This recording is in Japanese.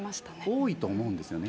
多いと思うんですよね。